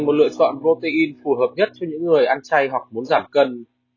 một lựa chọn protein phù hợp nhất cho những người ăn chay hoặc muốn giảm cân